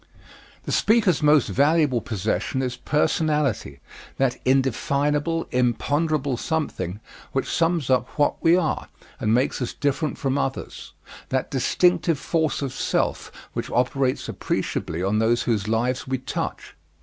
The speaker's most valuable possession is personality that indefinable, imponderable something which sums up what we are, and makes us different from others; that distinctive force of self which operates appreciably on those whose lives we touch.